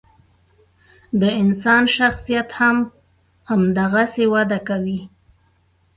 د انسان شخصیت هم همدغسې وده کوي.